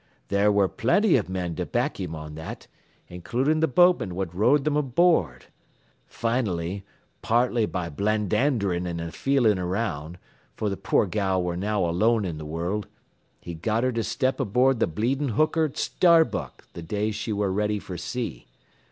There ware plenty of men to back him on that, includin' th' boatman what rowed them aboard. Finally, partly by blandanderin' an' a feelin' around, fer th' poor gal ware now alone in th' world, he got her to step aboard th' bleedin' hooker Starbuck the day he ware ready for sea.